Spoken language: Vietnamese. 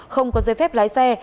không có dây phép lái xe